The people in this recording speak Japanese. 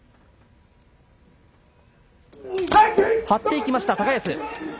張っていきました、高安。